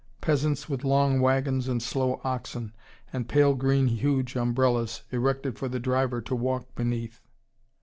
Peasants with long wagons and slow oxen, and pale green huge umbrellas erected for the driver to walk beneath.